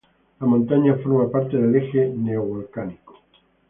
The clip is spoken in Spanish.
La montaña forma parte del Eje Neovolcánico.